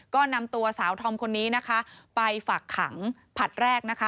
ก็นำตัวสาวทอมคนนี้ไปฝักขังผัดแรก